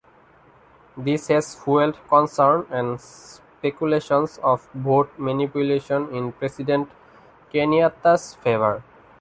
This has fuelled concern and speculations of vote manipulation in President Kenyatta's favour.